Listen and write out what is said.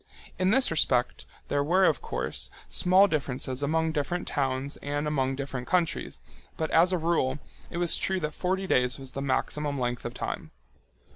In this respect, there were, of course, small differences among different towns and among different countries, but as a rule it was true that forty days was the maximum length of time.